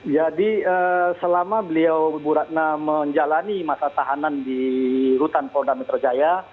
jadi selama beliau ibu ratna menjalani masa tahanan di rutan polda metro jaya